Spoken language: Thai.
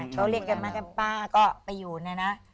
เค้าเลี้ยงกันมากับป้าก็ไปอยู่เนี่ยนะ